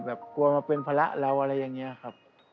กลัวมาเป็นภาระเราอะไรอย่างนี้ครับ